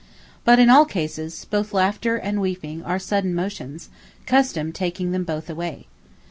But in all cases, both Laughter and Weeping, are sudden motions; Custome taking them both away.